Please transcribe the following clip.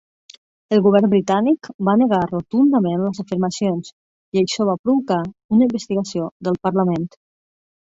El Govern Britànic va negar rotundament les afirmacions i això va provocar una investigació del Parlament.